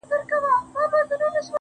صبر د انسان ځواک زیاتوي.